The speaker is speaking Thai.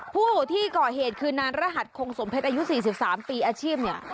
ผู้ที่ก่อเหตุคือนานรหัสคงสมเพชรอายุ๔๓ปีอาชีพเนี่ย